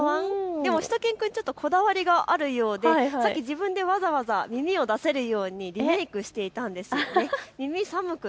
でも、しゅと犬くんこだわりがあるのでさっき自分でわざわざ耳を出せるようにリメイクしていたんです。